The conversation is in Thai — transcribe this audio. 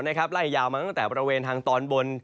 ไล่ยาวมาตั้งแต่บริเวณทางตอนบน